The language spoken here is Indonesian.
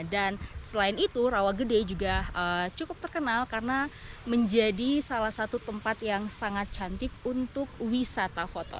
dan selain itu rawa gede juga cukup terkenal karena menjadi salah satu tempat yang sangat cantik untuk wisata foto